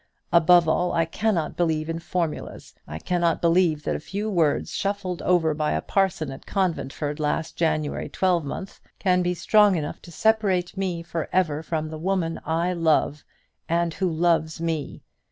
Above all, I cannot believe in formulas. I cannot believe that a few words shuffled over by a parson at Conventford last January twelvemonth can be strong enough to separate me for ever from the woman I love, and who loves me.